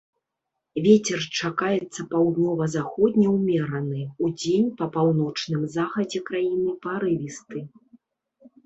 Вецер чакаецца паўднёва-заходні ўмераны, удзень па паўночным захадзе краіны парывісты.